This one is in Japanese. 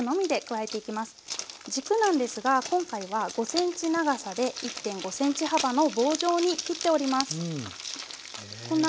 軸なんですが今回は５ｃｍ長さで１．５ｃｍ幅の棒状に切っております。